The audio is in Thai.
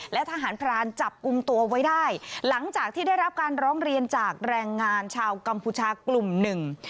และทหารพรานจับกลุ่มตัวไว้ได้หลังจากที่ได้รับการร้องเรียนจากแรงงานชาวกัมพูชากลุ่มหนึ่ง